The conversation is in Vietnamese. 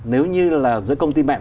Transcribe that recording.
nếu như là giữa công ty mạng